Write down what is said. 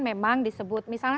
memang disebut misalnya